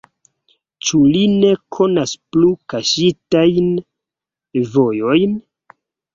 Ĉu li ne konas plu kaŝitajn vojojn?